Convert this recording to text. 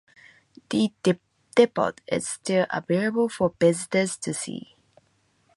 The depot is still available for visitors to see.